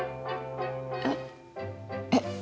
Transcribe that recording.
えっえっ？